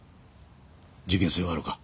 事件性はあるか？